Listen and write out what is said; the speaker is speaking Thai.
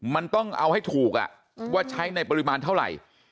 มันต้องเอาให้ถูกว่าใช้ในปริมาณเท่าไหร่